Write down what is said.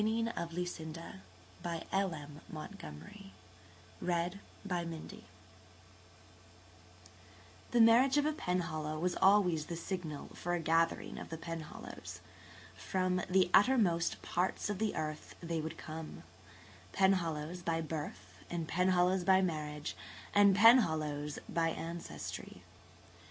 135 155. [Page 135] V THE WINNING OF LUCINDA THE marriage of a Penhallow was always the signal for a gathering of the Penhallows. From the uttermost parts of the earth they would come–Penhallows by birth, and Penhallows by marriage and Penhallows by ancestry.